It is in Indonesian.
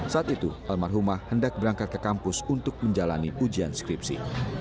saat itu almarhumah hendak berangkat ke kampus untuk menjalani ujian skripsi